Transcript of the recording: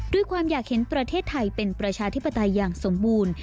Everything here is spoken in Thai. ด้วยความอยากเห็นประเทศไทยเป็นประชาธิปไตยอย่างสมบูรณ์